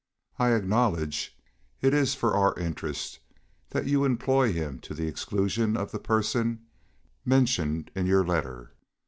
I acknowledge it is for our interest that you employ him to the exclusion of the person mentioned in your letter.